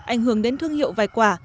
ảnh hưởng đến thương hiệu vài quả